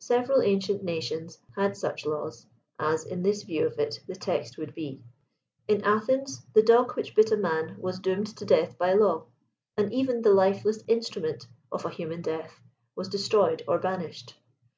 Several ancient nations had such laws, as, in this view of it, the text would be. In Athens, the dog which bit a man was doomed to death by law, and even the lifeless instrument of a human death was destroyed or banished.